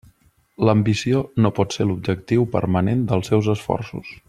L'ambició no pot ser l'objectiu permanent dels seus esforços.